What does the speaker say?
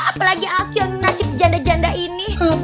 apalagi aku yang nasib janda janda ini